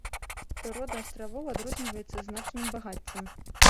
Прырода астравоў адрозніваецца значным багаццем.